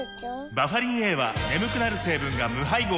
バファリンＡは眠くなる成分が無配合なんです